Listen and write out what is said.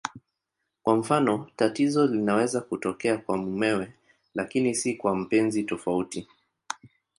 Kwa mfano, tatizo linaweza kutokea kwa mumewe lakini si kwa mpenzi tofauti.